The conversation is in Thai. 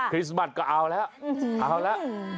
ริสมัสก็เอาแล้วเอาแล้ว